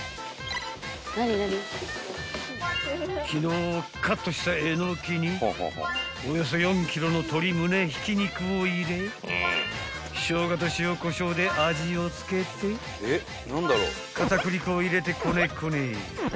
［昨日カットしたえのきにおよそ４ｋｇの鶏ムネひき肉を入れショウガと塩こしょうで味を付けて片栗粉を入れてコネコネ］